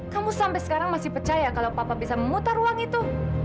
kamu sampai sekarang masih percaya kalau papa bisa memutar ruang itu